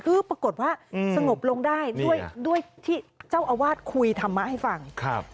คือปรากฏว่าสงบลงได้ด้วยที่เจ้าอาวาสคุยธรรมะให้ฟัง